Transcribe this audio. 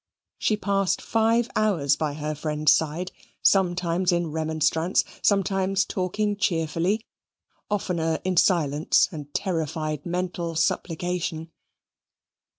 She passed five hours by her friend's side, sometimes in remonstrance, sometimes talking cheerfully, oftener in silence and terrified mental supplication.